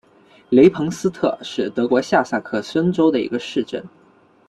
雷彭斯特是德国下萨克森州的一个市镇。